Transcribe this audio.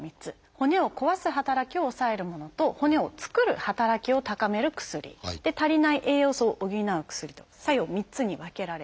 骨を壊す働きを抑えるものと骨を作る働きを高める薬足りない栄養素を補う薬と作用３つに分けられます。